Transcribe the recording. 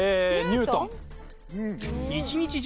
ニュートン？